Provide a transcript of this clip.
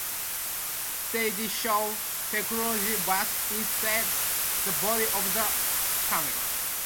"SteadyShot" technology works inside the body of the camera.